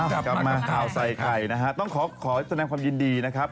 กลับมาข่าวใส่ไข่นะฮะต้องขอขอแสดงความยินดีนะครับ